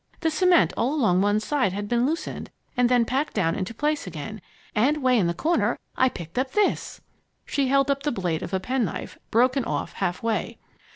The cement all along one side had been loosened and then packed down into place again. And 'way in the corner, I picked up this!" She held up the blade of a penknife, broken off halfway.